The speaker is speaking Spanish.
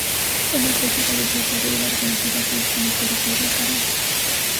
En este hecho falleció el padre de la reconocida actriz y conductora Perla Caron.